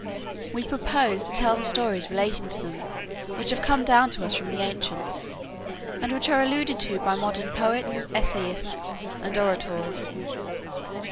We propose to tell the stories relating to them which have come down to us from the ancients, and which are alluded to by modern poets, essayists, and orators.